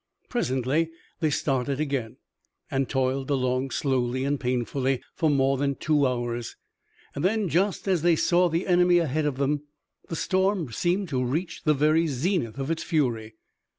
Presently they started again and toiled along slowly and painfully for more than two hours. Then, just as they saw the enemy ahead of them, the storm seemed to reach the very zenith of its fury.